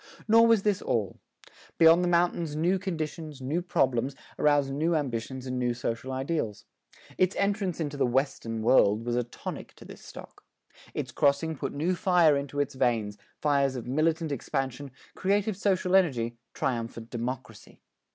Nor was this all. Beyond the mountains new conditions, new problems, aroused new ambitions and new social ideals. Its entrance into the "Western World" was a tonic to this stock. Its crossing put new fire into its veins fires of militant expansion, creative social energy, triumphant democracy.